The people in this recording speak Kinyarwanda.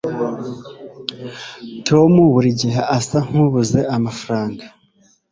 tom burigihe asa nkabuze amafaranga